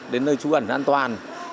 đến nơi trú ẩn an toàn